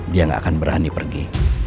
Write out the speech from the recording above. dia nggak akan berani pergi